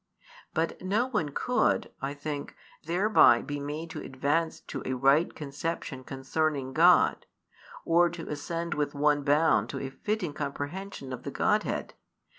But no one could, I think, thereby be made to advance to a right conception concerning God, or to ascend with one bound to a fitting comprehension of the Godhead.